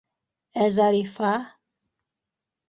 Ә Зарифа...